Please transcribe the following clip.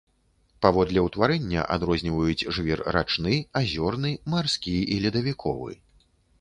Паводле ўтварэння адрозніваюць жвір рачны, азёрны, марскі і ледавіковы.